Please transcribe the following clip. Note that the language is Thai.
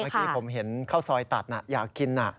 เมื่อกี้ผมเห็นข้าวซอยตัดอยากกิน